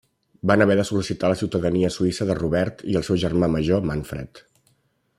Van haver de sol·licitar la ciutadania suïssa de Robert i el seu germà major, Manfred.